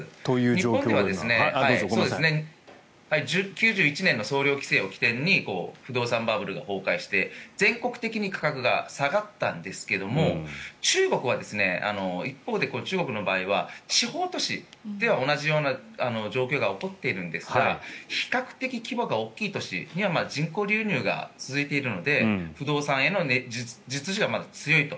日本では９１年の総量規制を起点に不動産バブルが崩壊して全国的に価格が下がったんですが一方で中国の場合は地方都市では同じような状況が起こっているんですが比較的規模が大きい都市には人口流入が続いているので不動産への実需は強いと。